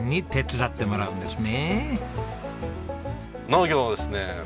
農業をですね